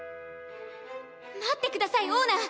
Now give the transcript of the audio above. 待って下さいオーナー！